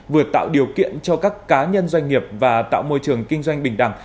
vừa tạo điều kiện cho các cá nhân doanh nghiệp và tạo môi trường kinh doanh bình đẳng